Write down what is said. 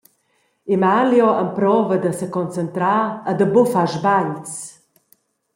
Emalio emprova da seconcentrar e da buca far sbagls.